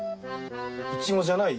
イチゴじゃない？